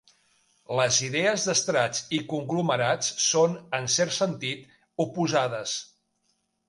Les idees d'estrats i conglomerats són, en cert sentit, oposades.